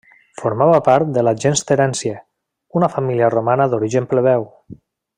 Formava part de la gens Terència, una família romana d'origen plebeu.